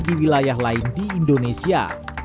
di wilayah lain di indonesia